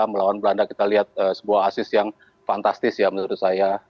melawan belanda kita lihat sebuah asis yang fantastis ya menurut saya